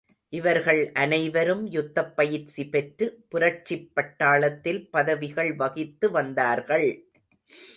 இவர்கள் அனைவரும் யுத்தப் பயிற்சி பெற்று, புரட்சிப் பட்டாளத்தில் பதவிகள் வகித்து வந்தார்கள்.